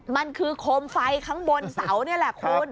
มันคือโคมไฟข้างบนเสานี่แหละคุณ